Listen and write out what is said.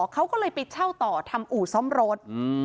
เขาก็เลยไปเช่าต่อทำอู่ซ่อมรถ